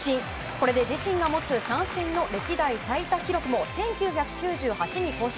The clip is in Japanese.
これで自身が持つ三振の歴代最多記録を１９９８に更新。